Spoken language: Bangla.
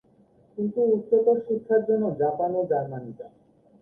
কিন্তু উচ্চতর শিক্ষার জন্য জাপান ও জার্মানি যান।